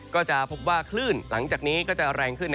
ก็จะพบว่าคลื่นหลังจากนี้ก็จะแรงขึ้น